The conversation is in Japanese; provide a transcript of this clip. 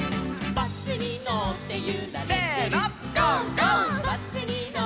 「バスにのってゆられてる」